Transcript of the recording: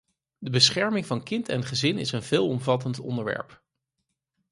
De bescherming van kind en gezin is een veelomvattend onderwerp.